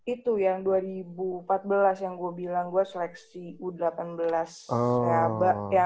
itu yang dua ribu empat belas yang gue bilang gue seleksi u delapan belas